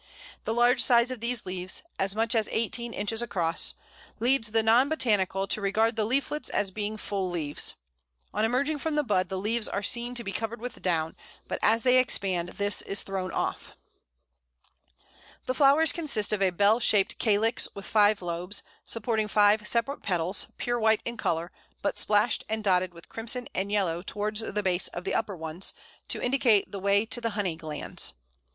The large size of these leaves as much as eighteen inches across leads the non botanical to regard the leaflets as being full leaves. On emerging from the bud the leaves are seen to be covered with down, but as they expand this is thrown off. [Illustration: Horse Chestnut. A, flower; B, fruit.] The flowers consist of a bell shaped calyx with five lobes, supporting five separate petals, pure white in colour, but splashed and dotted with crimson and yellow towards the base of the upper ones, to indicate the way to the honey glands.